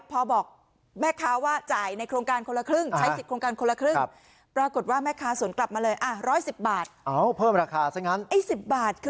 พอบอกแม่ค้าว่าจ่ายในโครงการคนละครึ่งใช้สิทธิ์โครงการค